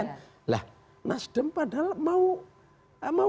nah nasdem padahal mau